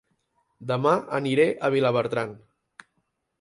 Dema aniré a Vilabertran